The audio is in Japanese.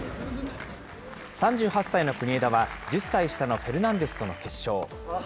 ３８歳の国枝は、１０歳下のフェルナンデスとの決勝。